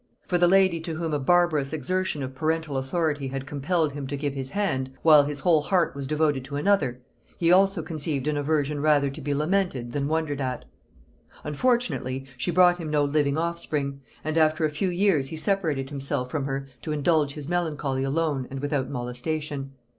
For the lady to whom a barbarous exertion of parental authority had compelled him to give his hand, while his whole heart was devoted to another, he also conceived an aversion rather to be lamented than wondered at. Unfortunately, she brought him no living offspring; and after a few years he separated himself from her to indulge his melancholy alone and without molestation.